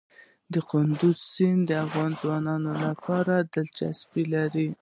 کندز سیند د افغان ځوانانو لپاره دلچسپي لري.